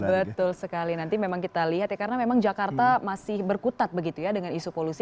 betul sekali nanti memang kita lihat ya karena memang jakarta masih berkutat begitu ya dengan isu polusi